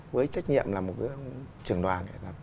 với trách nhiệm là một trưởng đoàn